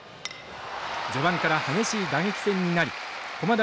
序盤から激しい打撃戦になり駒大